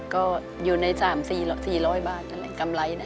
ก็อยู่ใน๓๔๐๐บาทนั่นแหละกำไรนะ